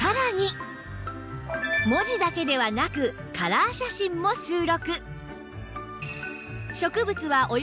文字だけではなくカラー写真も収録